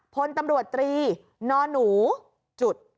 พลตำรวจตรีนห